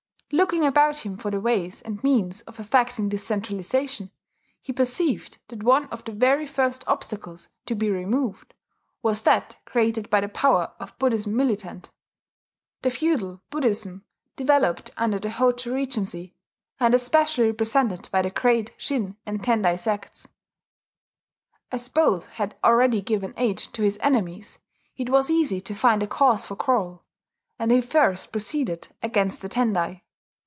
Looking about him for the ways and means of effecting this centralization, he perceived that one of the very first obstacles to be removed was that created by the power of Buddhism militant, the feudal Buddhism developed under the Hojo regency, and especially represented by the great Shin and Tendai sects. As both had already given aid to his enemies, it was easy to find a cause for quarrel; and he first proceeded against the Tendai.